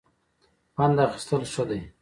خوند اخیستل ښه دی.